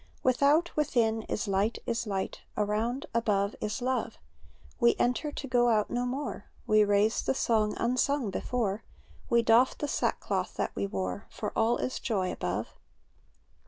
Without, within, is light, is light; Around, above, is love; We enter, to go out no more. We raise the song unsung before. We doff the sackcloth that we wore ; For all is joy above.